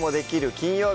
金曜日」